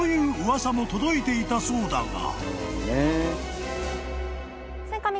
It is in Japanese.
噂も届いていたそうだが］